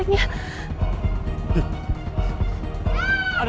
kamu beneran roy kan